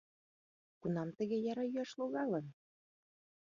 Кунам тыге яра йӱаш логалын?